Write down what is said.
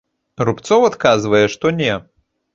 Рубцоў адказвае, што не.